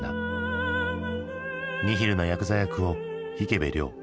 ニヒルなヤクザ役を池部良。